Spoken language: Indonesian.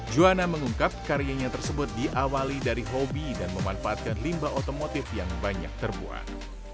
juwana mengungkap karyanya tersebut diawali dari hobi dan memanfaatkan limbah otomotif yang banyak terbuat